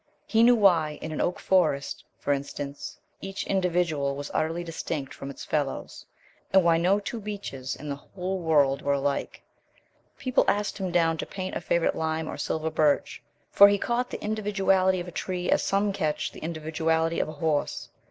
He knew why in an oak forest, for instance, each individual was utterly distinct from its fellows, and why no two beeches in the whole world were alike. People asked him down to paint a favorite lime or silver birch, for he caught the individuality of a tree as some catch the individuality of a horse.